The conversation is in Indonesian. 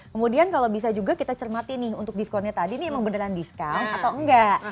kemudian kalau bisa juga kita cermati nih untuk diskonnya tadi ini emang beneran discount atau enggak